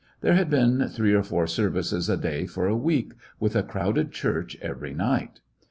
There had been three or four services a day for a week, with a crowded church every night.